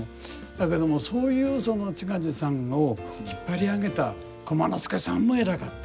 だけどもそういう津賀寿さんを引っ張り上げた駒之助さんも偉かった。